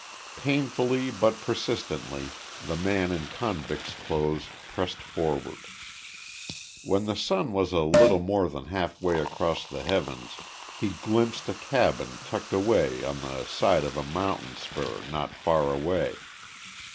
Painfully but persistently the man in convict's clothes pressed forward. When the sun was a little more than halfway across the heavens he glimpsed a cabin tucked away on the side of a mountain spur not far away.